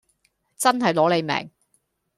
真係攞你命